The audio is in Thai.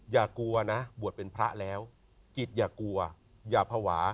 อย่ากลัวนะบวชเป็นพระแล้วจิตอย่ากลัวอย่าภาวะ